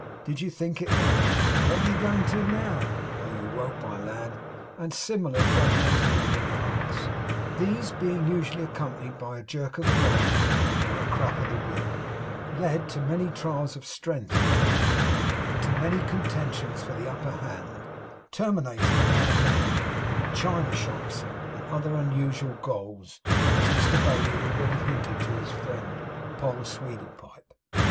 'Did you think it, then?' 'Where are you going to now?' 'No, you won't, my lad!' and similar fragmentary remarks. These being usually accompanied by a jerk of the rein, or a crack of the whip, led to many trials of strength between them, and to many contentions for the upper hand, terminating, now and then, in china shops, and other unusual goals, as Mr Bailey had already hinted to his friend Poll Sweedlepipe.